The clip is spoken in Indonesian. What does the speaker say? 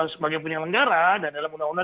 sebagai penyelenggara dan dalam undang undang